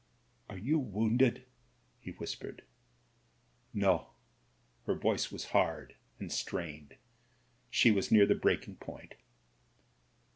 'Are you wounded ?" he whispered. ^No." Her voice was hard and strained ; she was near the breaking point.